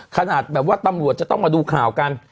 ขนาดแบบว่าตำรวจจะต้องมาดูข่าวกัน